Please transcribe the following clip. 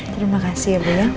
terima kasih ibu ya